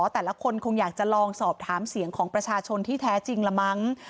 แต่ละคนคงอยากจะลองสอบถามเสียงของประชาชนที่แท้จริงละมั้ง